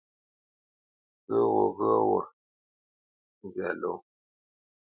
Ghyə̌ gho yéghyə́ gho ndyâ ló.